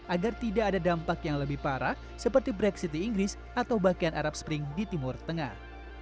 agar tidak ada dampak yang lebih parah seperti brexit di inggris atau bagian arab spring di timur tengah